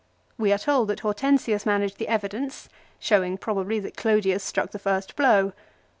We are told that Hortensius managed the evidence, showing, probably, that Clodius struck the first blow.